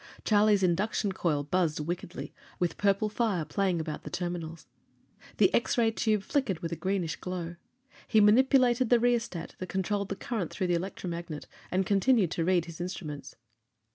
Charlie's induction coil buzzed wickedly, with purple fire playing about the terminals. The X ray tube flickered with a greenish glow. He manipulated the rheostat that controlled the current through the electromagnet, and continued to read his instruments.